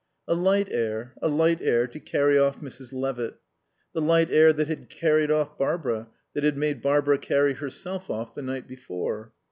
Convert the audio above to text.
A light air, a light air, to carry off Mrs. Levitt. The light air that had carried off Barbara, that had made Barbara carry herself off the night before.